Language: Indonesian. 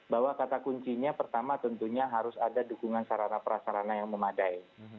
bahwa kata kuncinya pertama tentunya harus ada dukungan sarana prasarana yang memadai